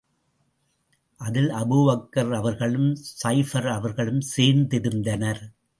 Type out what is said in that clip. அதில் அபூபக்கர் அவர்களும், ஸூபைர் அவர்களும் சேர்ந்திருந்தனர்.